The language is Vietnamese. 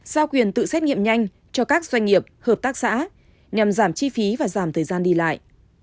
giao quyền tự xét nghiệm nhanh cho các doanh nghiệp hợp tác xã nhằm giảm chi phí và giảm thời gian đi lại